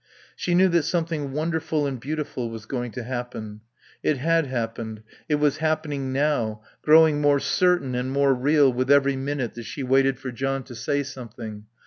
She knew that something wonderful and beautiful was going to happen. It had happened; it was happening now, growing more certain and more real with every minute that she waited for John to say something.